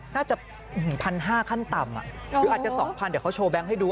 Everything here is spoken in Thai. น่าจะอื้มพันห้าขั้นต่ำอ่ะอัจจะสองพันเดี๋ยวเขาโชว์แบงค์ให้ดู